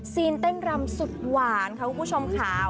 เต้นเต้นรำสุดหวานค่ะคุณผู้ชมค่ะ